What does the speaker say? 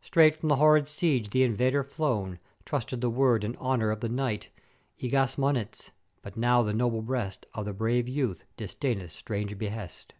Straight from the horrid siege th' invader flown trusteth the word and honour of the Knight, Egas Moniz: But now the noble breast of the brave Youth disdaineth strange behest.